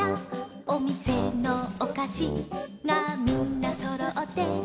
「おみせのおかしがみんなそろって」